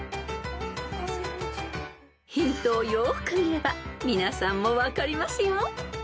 ［ヒントをよーく見れば皆さんも分かりますよ］